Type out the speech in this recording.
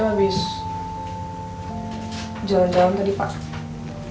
aku habis jalan jalan tadi pak